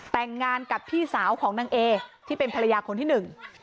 แต่งงานกับพี่สาวของนางเอที่เป็นภรรยาคนที่หนึ่ง